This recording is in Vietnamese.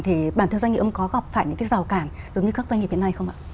thì ông có gặp phải những cái rào cản giống như các doanh nghiệp hiện nay không ạ